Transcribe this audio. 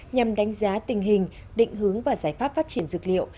nhằm đánh giá tình hình định hướng và giải pháp phát triển dược liệu